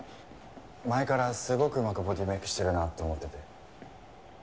前からすごくうまくボディメイクしてるなと思ってて。